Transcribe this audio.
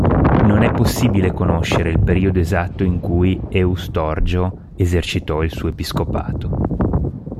Non è possibile conoscere il periodo esatto in cui Eustorgio esercitò il suo episcopato.